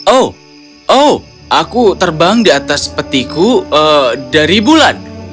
oh oh aku terbang di atas petiku dari bulan